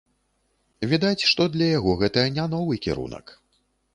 Відаць, што для яго гэта не новы кірунак.